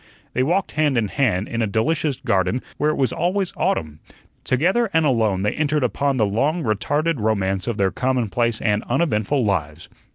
They walked hand in hand in a delicious garden where it was always autumn; together and alone they entered upon the long retarded romance of their commonplace and uneventful lives.